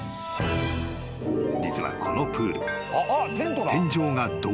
［実はこのプール］